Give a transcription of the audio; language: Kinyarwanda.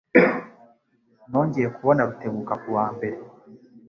Nongeye kubona Rutebuka ku wa mbere.